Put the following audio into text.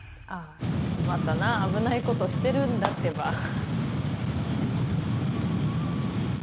あー、またな、危ないことしてるんだってば。